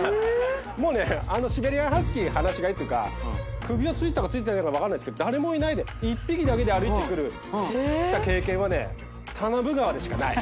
もうねシベリアンハスキー放し飼いっていうか首輪着いてたか分かんないですけど誰もいないで１匹だけで歩いてきた経験はね田名部川でしかない。